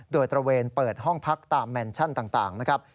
โดยตระเวนเปิดห้องพักตามแมนชั่นต่างนะครับ